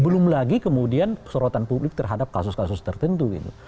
belum lagi kemudian sorotan publik terhadap kasus kasus tertentu gitu